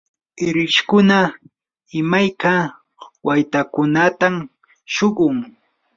irishkuna imayka waytakunatam shuqun.